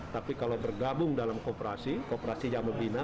tapi kalau bergabung dalam kooperasi kooperasi yang membina